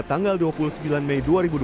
tanggal dua puluh sembilan mei dua ribu dua puluh